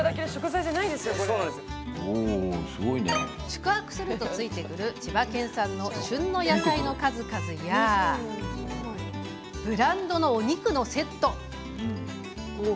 宿泊すると付いてくる千葉県産の旬の野菜の数々やブランドのお肉のセット。